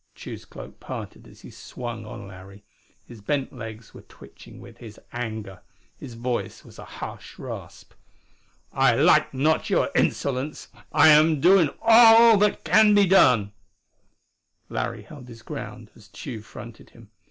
Tugh's cloak parted as he swung on Larry. His bent legs were twitching with his anger; his voice was a harsh rasp. "I like not your insolence. I am doing all that can be done." Larry held his ground as Tugh fronted him.